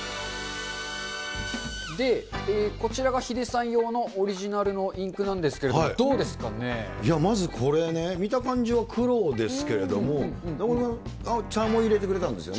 で、こちらがヒデさん用のオリジナルのインクなんですけれども、いやまずこれね、見た感じは黒ですけれども、茶も入れてくれたんですよね。